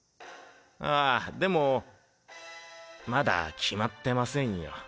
あでもまだ決まってませんよ。